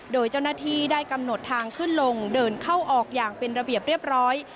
โดยเจ้าหน้าที่ได้กำหนดทางขึ้นลงเดินเข้าออกอย่างเป็นระเบียบเรียบร้อย